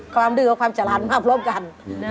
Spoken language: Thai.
ความดื้อและความฉลาดมาพรบกัน